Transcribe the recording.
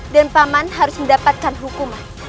dan paman harus mendapatkan hukuman